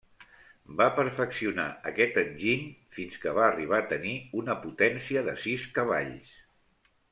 Va perfeccionar aquest enginy fins que va arribar a tenir una potència de sis cavalls.